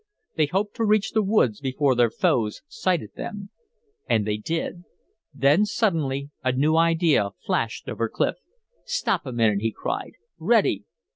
They hoped to reach the woods before their foes sighted them. And they did. Then suddenly a new idea flashed over Clif. "Stop a minute!" he cried. "Ready!"